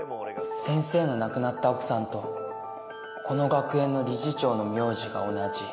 先生の亡くなった奥さんとこの学園の理事長の名字が同じ